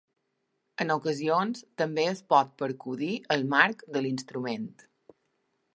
En ocasions, també es pot percudir el marc de l'instrument.